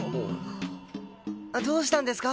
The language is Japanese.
どうしたんですか？